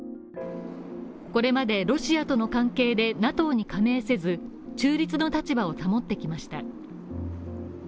これまでロシアとの関係でＮＡＴＯに加盟せず中立の立場を保ってきました。